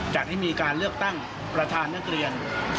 จัดให้มีการเลือกตั้งประธานนักเรียน